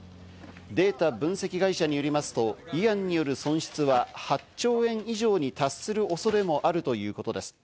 データ分析会社によりますと、イアンによる損失は８兆円以上に達する恐れもあるということです。